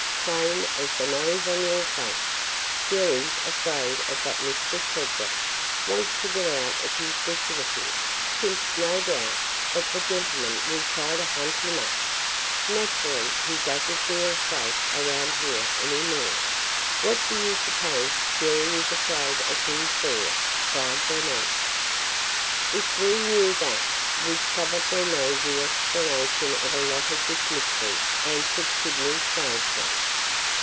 "Plain as the nose on your face! Jerry 's afraid of that Mr. Tredwell – wants to get out of his vicinity – thinks, no doubt, that the gentleman will try to hunt him up. Naturally he does n't feel safe around here any more." "What do you suppose Jerry is afraid of him for?" cried Bernice. "If we knew that, we 'd probably know the explanation of a lot of this mystery," answered Sydney sagely.